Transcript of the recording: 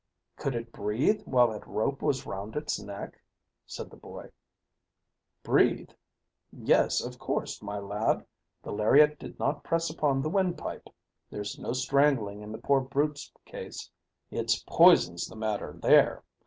"Could it breathe while that rope was round its neck?" said the boy. "Breathe? Yes, of course, my lad. The lariat did not press upon the wind pipe. There's no strangling in the poor brute's case. It's poison's the matter there.